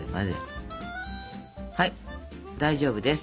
はい大丈夫です。